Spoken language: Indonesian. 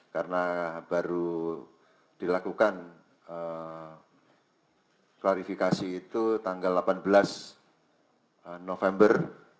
karena baru dilakukan klarifikasi itu tanggal delapan belas november